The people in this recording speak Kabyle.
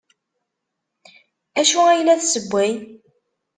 D acu ay la tessewway?